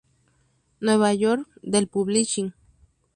Nueva York: Dell Publishing.